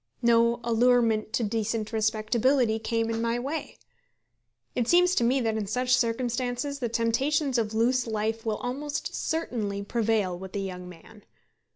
No allurement to decent respectability came in my way. It seems to me that in such circumstances the temptations of loose life will almost certainly prevail with a young man.